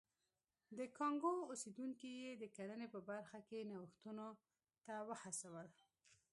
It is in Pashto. د کانګو اوسېدونکي یې د کرنې په برخه کې نوښتونو ته وهڅول.